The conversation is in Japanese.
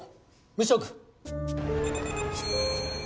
無職。